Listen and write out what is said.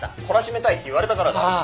懲らしめたいって言われたからだ。